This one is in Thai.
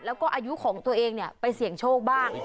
แล้วก็อายุของตัวเองไปเสี่ยงโชคบ้าง